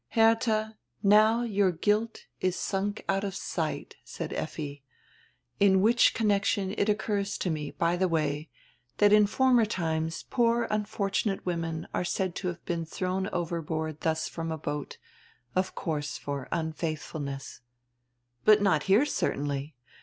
"Herdia, now your guilt is sunk out of sight," said Effi, "in which connection it occurs to me, by the way, that in former times poor unfortunate women are said to have been thrown overboard dius from a boat, of course for unfaithfulness," "But not here, certainly."